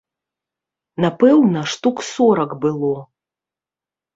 Напэўна, штук сорак было.